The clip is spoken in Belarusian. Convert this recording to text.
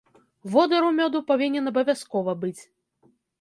Водар у мёду павінен абавязкова быць.